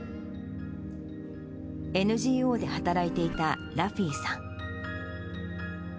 ＮＧＯで働いていたラフィさん。